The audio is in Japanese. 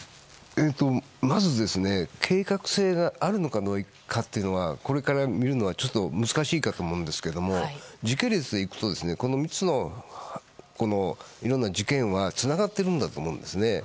まず、計画性があるのかどうかというのはこれから見るのは難しいかと思うんですが時系列でいくとこの３つの事件はつながっているんだと思うんですね。